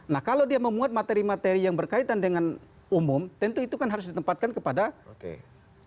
nah kalau dia memuat materi materi yang berkaitan dengan umum tentu itu kan harus ditempatkan kepada pemerintah